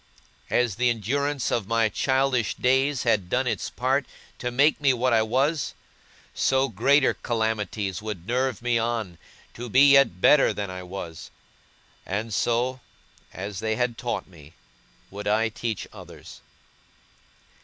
As the endurance of my childish days had done its part to make me what I was, so greater calamities would nerve me on, to be yet better than I was; and so, as they had taught me, would I teach others.